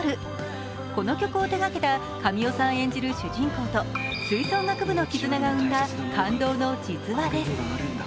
この曲を手がけた、神尾さん演じる主人公と吹奏楽部の絆が生んだ感動の実話です。